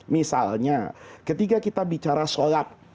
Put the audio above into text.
misalnya ketika kita bicara sholat